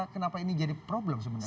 kenapa ini jadi problem sebenarnya